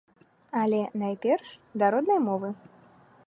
Але, найперш, да роднай мовы.